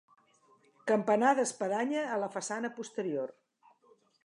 Campanar d'espadanya a la façana posterior.